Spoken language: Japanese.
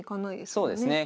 そうですね。